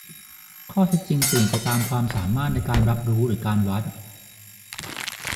ข้อเท็จจริงเปลี่ยนไปตามความสามารถในการรับรู้หรือการวัด